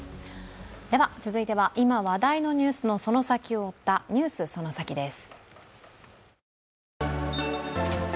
続いては今話題のニュースのその先を追った「ＮＥＷＳそのサキ！」です。